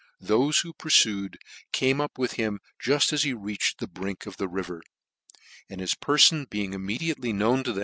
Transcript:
Thofe who purfued, came up with him juft as he reached the brink of the river : and his perfon being imme diately known to the.